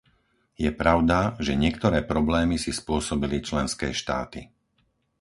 Je pravda, že niektoré problémy si spôsobili členské štáty.